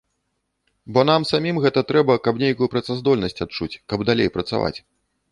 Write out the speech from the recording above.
Бо нам самім гэта трэба, каб нейкую працаздольнасць адчуць, каб далей працаваць.